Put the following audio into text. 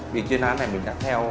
vì chuyên án này mình đã theo hướng dẫn